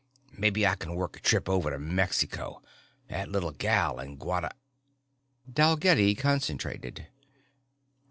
Mebbe I can work a trip over to Mexico.... That little gal in Guada...._ Dalgetty concentrated.